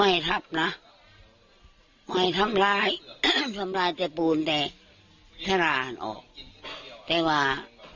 เอาไว้นะฮะ